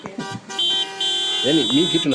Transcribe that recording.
Sokoni ni pahali pazuri